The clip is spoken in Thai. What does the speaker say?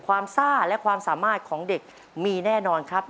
ซ่าและความสามารถของเด็กมีแน่นอนครับ